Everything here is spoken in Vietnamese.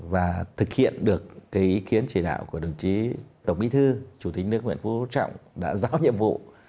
và thực hiện được ý kiến chỉ đạo của đồng chí tổng bí thư chủ tịch nước nguyễn phú trọng đã rõ nhiệm vụ